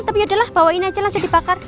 tapi yaudahlah bawain aja langsung dipakar